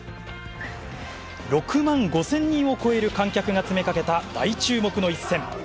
６万５０００人を超える観客が詰めかけた大注目の一戦。